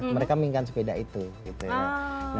mereka mengingkan sepeda itu gitu ya